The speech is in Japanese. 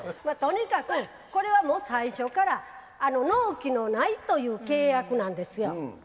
まあとにかくこれはもう最初から納期のないという契約なんですよ。